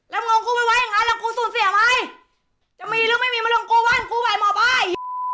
แล้วมองกูมาไว้อย่างนั้นแล้วกูสูงเสียไหมจะมีหรือไม่มองกูว่านคูไหวลม่อบกอล์ย